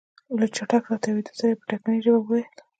له چټک راتاوېدو سره يې په ټکنۍ ژبه وويل.